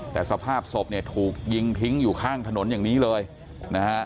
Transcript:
แต่สภาพศพเนี่ยถูกยิงทิ้งอยู่ข้างถนนอย่างนี้เลยนะฮะ